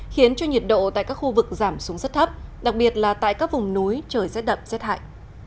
khiến cho nhiệt độ tại các khu vực giảm xuống rất thấp đặc biệt là tại các vùng núi trời rét đậm rét hại